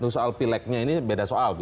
soal pileknya ini beda soal